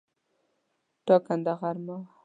ټاکنده غرمه وه.